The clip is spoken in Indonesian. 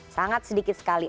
sangat sedikit sekali